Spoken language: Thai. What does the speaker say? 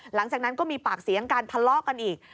หลังจากนั้นก็มีปากเสียงกันทะเลาะกันอีก